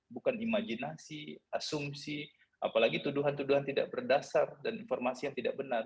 bukan imajinasi asumsi apalagi tuduhan tuduhan tidak berdasar dan informasi yang tidak benar